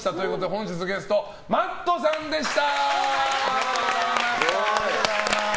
本日のゲストＭａｔｔさんでした。